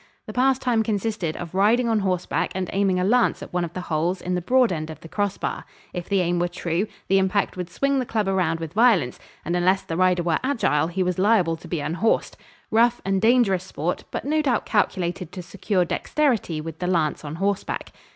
The pastime consisted of riding on horseback and aiming a lance at one of the holes in the broad end of the crossbar. If the aim were true, the impact would swing the club around with violence, and unless the rider were agile he was liable to be unhorsed rough and dangerous sport, but no doubt calculated to secure dexterity with the lance on horseback.